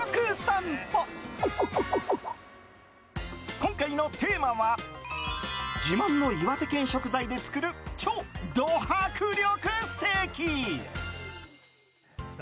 今回のテーマは自慢の岩手県食材で作る超ド迫力ステーキ。